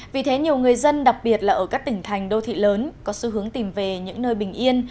vì thế nhiều người dân đặc biệt là ở các tỉnh thành đô thị lớn có xu hướng tìm về những nơi bình yên